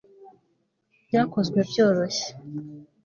byakozwe byoroshye